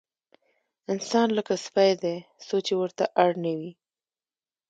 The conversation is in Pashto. انسان لکه سپی دی، څو چې ورته اړ نه وي.